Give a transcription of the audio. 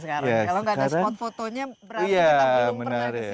kalau enggak ada spot fotonya berarti kita belum pernah di sini